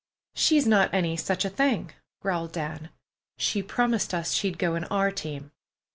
"She's not any such a thing," growled Dan. "She promised us she'd go in our team."